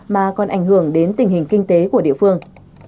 mà còn ảnh hưởng đến tình hình kinh tế của địa phương